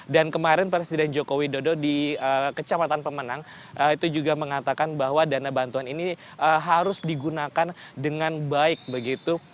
dan kemarin presiden jokowi dodo di kecamatan pemenang itu juga mengatakan bahwa dana bantuan ini harus digunakan dengan baik begitu